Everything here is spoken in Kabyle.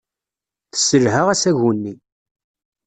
Tesselha asagu-nni.